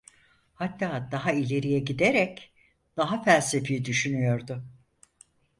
Hatta daha ileriye giderek, daha felsefi düşünüyordu.